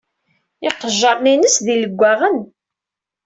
Iqejjaṛen-ines d ileggaɣen.